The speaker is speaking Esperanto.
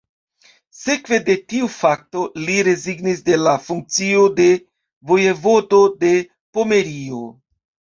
Sekve de tiu fakto li rezignis de la funkcio de Vojevodo de Pomerio.